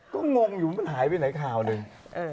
ก็งงอยู่มันหายไปไหนข่าวหนึ่ง